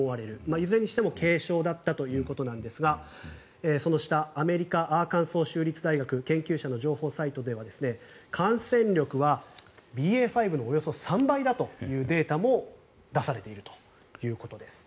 いずれにしても軽症だったということなんですがその下アメリカ・アーカンソー州立大学研究者の情報サイトでは感染力はＢＡ．５のおよそ３倍だというデータも出されているということです。